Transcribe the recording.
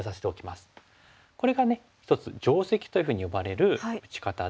これがね一つ「定石」というふうに呼ばれる打ち方で。